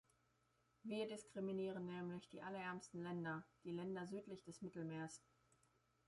Wir diskriminieren nämlich die allerärmsten Länder, die Länder südlich des Mittelmeeres.